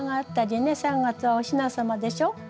３月はおひな様でしょ。